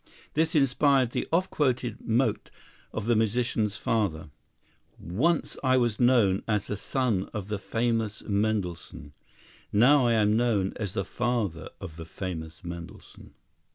This inspired the oft quoted mot of the musician's father: "Once I was known as the son of the famous Mendelssohn; now I am known as the father of the famous Mendelssohn."